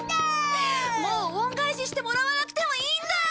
もう恩返ししてもらわなくてもいいんだ。